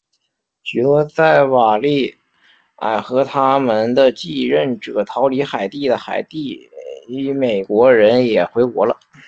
许多在瓦利埃和他们的继任者逃离海地的海地裔美国人也回国了。